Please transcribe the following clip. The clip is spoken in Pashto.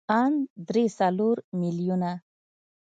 ان درې څلور ميليونه.